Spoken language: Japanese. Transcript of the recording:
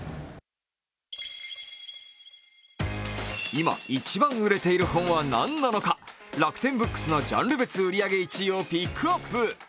今、一番売れている本は何なのか楽天ブックスのジャンル別売り上げ１位をピックアップ。